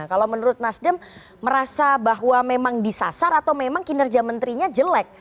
kalau menurut nasdem merasa bahwa memang disasar atau memang kinerja menterinya jelek